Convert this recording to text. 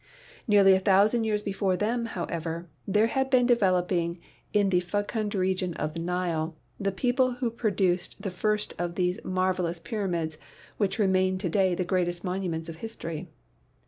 Nearly a thousand years before them, however, there had been developing in the fecund region of the Nile the people who produced the first of those marvelous pyramids which remain to day the greatest monuments of history.